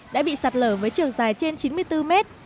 đã bị sạt lở với chiều dài trên chín mươi bốn mét